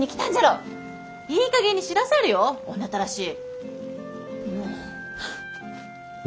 いいかげんにしなされよ女たらし。